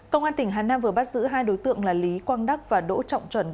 công an tỉnh hà nam vừa bắt giữ hai đối tượng là lý quang đắc và đỗ trọng chuẩn